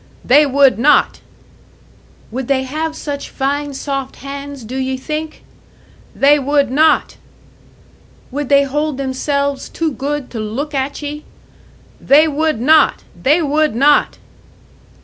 "They would not!" "Would they have such fine soft hands, do ye think?" "They would not!" "Would they hold themselves too good to look at ye?" "They would not! They would not!"